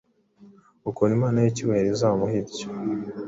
Ukuntu Imana yicyubahiro izamuha ibyo